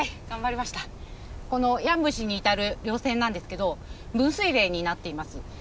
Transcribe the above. この山伏に至る稜線なんですけど分水嶺になっています。